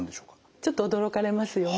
ちょっと驚かれますよね。